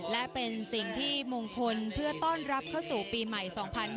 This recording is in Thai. และเป็นสิ่งที่มงคลเพื่อต้อนรับเข้าสู่ปีใหม่๒๕๕๙